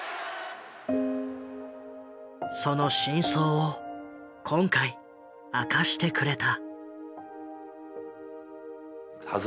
その真相を今回明かしてくれた。